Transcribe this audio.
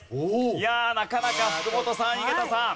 いやなかなか福本さん井桁さん。